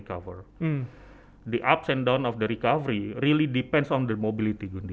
kebaikan dan kekurangan pulihnya benar benar bergantung pada mobilitasnya gundi